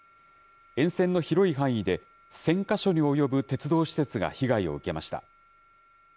沿線の広い範囲で、１０００か所に及ぶ鉄道施設が被害を受けました。